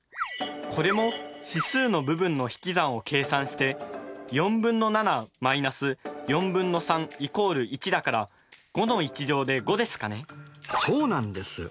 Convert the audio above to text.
これも指数の部分の引き算を計算してそうなんです。